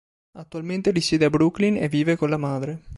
Attualmente risiede a Brooklyn e vive con la madre.